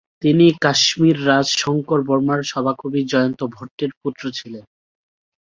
তিনি কাশ্মীররাজ শঙ্করবর্মার সভাকবি জয়ন্তভট্টের পুত্র ছিলেন।